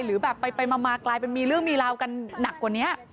หรือแบบไปมากลายเป็นมีเรื่องมีราวกันหนักกว่านี้